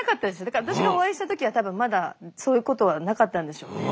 だから私がお会いした時は多分まだそういうことはなかったんでしょうね。